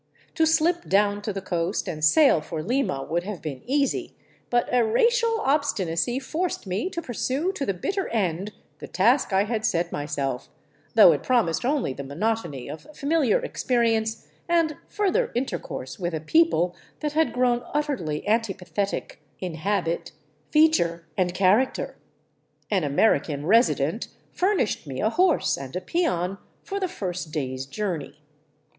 To slip down to the coast and sail for Lima would have been easy, but a racial obstinacy forced me to pursue to the bitter end the task I had set myself, though it promised only the monotony of familiar experience and further intercourse with a people that had grown utterly antipathetic in habit, feature, and character. An Amer ican resident furnished me a horse and a peon for the first day's jour ney.